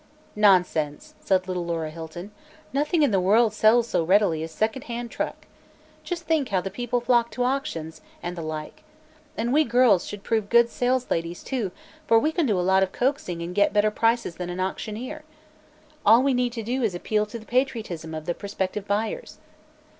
"Nonsense," said little Laura Hilton; "nothing in the world sells so readily as second hand truck. Just think how the people flock to auctions and the like. And we girls should prove good 'salesladies,' too, for we can do a lot of coaxing and get better prices than an auctioneer. All we need do is appeal to the patriotism of the prospective buyers."